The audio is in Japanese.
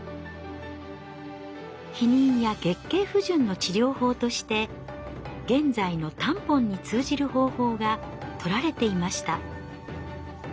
避妊や月経不順の治療法として現在のタンポンに通じる方法がとられていました。